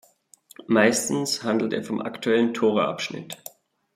Meistens handelt er vom aktuellen Tora-Abschnitt.